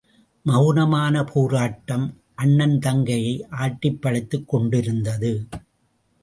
மெளனமான போராட்டம் அண்ணன் தங்கையை ஆட்டிப் படைத்துக் கொண்டிருந்தது.